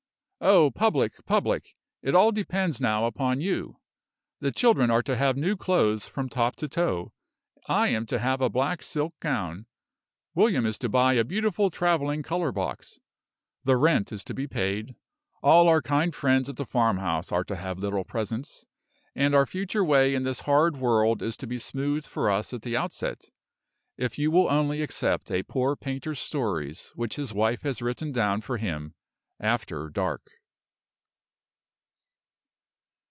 Oh, Public! Public! it all depends now upon you! The children are to have new clothes from top to toe; I am to have a black silk gown; William is to buy a beautiful traveling color box; the rent is to be paid; all our kind friends at the farmhouse are to have little presents, and our future way in this hard world is to be smoothed for us at the outset, if you will only accept a poor painter's stories which his wife has written down for him After Dark!